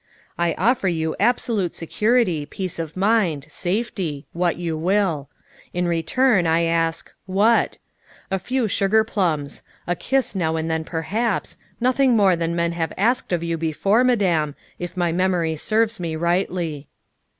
" I offer you absolute security, peace of mind, safety what you will. In return I ask what ? A few sugarplums: a kiss now and then perhaps nothing more than men have asked of you before, Madame, if my memory serves me rightly."